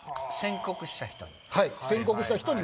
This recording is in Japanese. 宣告した人に。